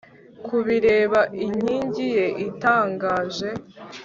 kubireba inkingi ye itangaje